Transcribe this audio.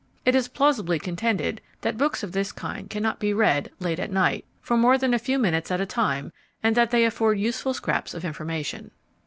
It is plausibly contended that books of this kind cannot be read (late at night) for more than a few minutes at a time, and that they afford useful scraps of information.